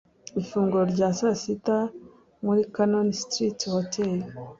Ifunguro rya saa sita muri Cannon Street Hotel